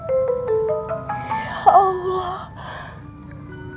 aku pernah baca tentang itu